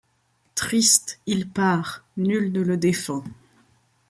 Triste, il part ; nul ne le défend